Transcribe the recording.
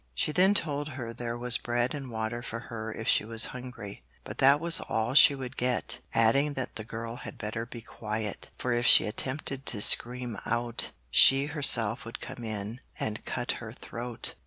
She then told her there was bread and water for her if she was hungry, but that was all she would get; adding that the girl had better be quiet, for if she attempted to scream out, she herself would come in and cut her throat.